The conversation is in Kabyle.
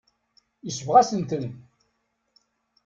Yesbeɣ-asent-ten.